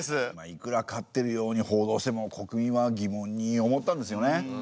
いくら勝ってるように報道しても国民は疑問に思ったんですよね。